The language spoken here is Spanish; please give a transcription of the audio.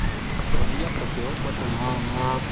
Con ella procreó cuatro hijos.